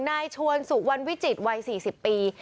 นายชวนสุวรรณวิจิตรวัย๔๐ปี